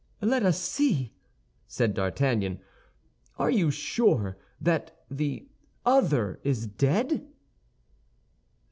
"Let us see," said D'Artagnan. "Are you sure that the other is dead?"